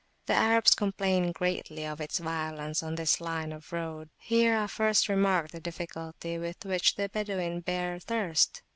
The Arabs complain greatly of its violence on this line of road. Here I first remarked the difficulty with which the Badawin bear thirst.